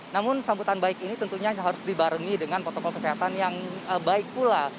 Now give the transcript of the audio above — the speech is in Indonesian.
namun sambutan baik ini tentunya harus dibarengi dengan protokol kesehatan yang baik pula